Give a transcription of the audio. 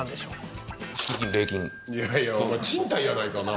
いやいやお前賃貸やないかな